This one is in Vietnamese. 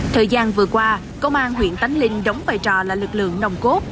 thời gian vừa qua công an huyện tánh linh đóng vai trò là lực lượng nồng cốt